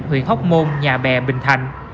huyện hóc môn nhà bè bình thành